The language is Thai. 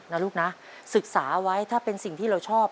นะลูกนะศึกษาไว้ถ้าเป็นสิ่งที่เราชอบ